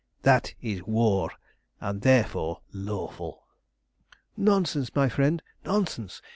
That is war, and therefore lawful! "Nonsense, my friend, nonsense!